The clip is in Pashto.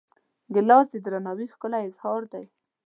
ګیلاس د درناوي ښکلی اظهار دی.